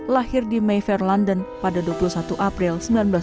lahir di meiver london pada dua puluh satu april seribu sembilan ratus sembilan puluh